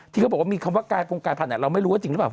ที่เขาบอกว่ามีคำว่ากายพงกายพันธุ์เราไม่รู้ว่าจริงหรือเปล่า